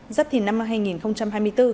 giáp thìn năm hai nghìn hai mươi bốn